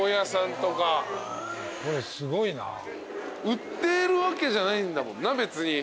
売ってるわけじゃないんだもんな別に。